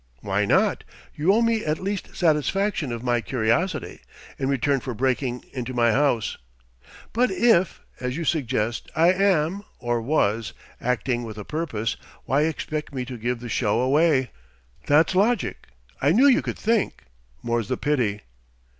"Why not? You owe me at least satisfaction of my curiosity, in return for breaking into my house." "But if, as you suggest, I am or was acting with a purpose, why expect me to give the show away?" "That's logic. I knew you could think. More's the pity!"